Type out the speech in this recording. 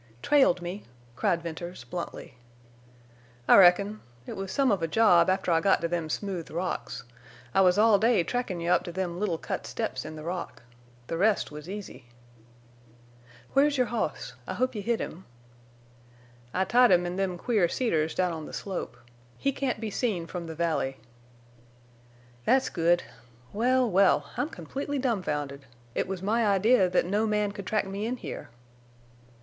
"Trailed me," cried Venters, bluntly. "I reckon. It was some of a job after I got to them smooth rocks. I was all day trackin' you up to them little cut steps in the rock. The rest was easy." "Where's your hoss? I hope you hid him." "I tied him in them queer cedars down on the slope. He can't be seen from the valley." "That's good. Well, well! I'm completely dumfounded. It was my idea that no man could track me in here."